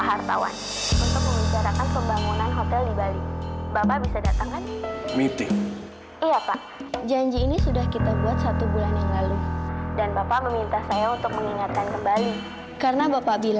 sampai jumpa di video selanjutnya